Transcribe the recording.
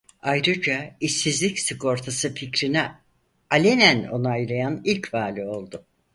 Ayrıca işsizlik sigortası fikrini alenen onaylayan ilk vali oldu.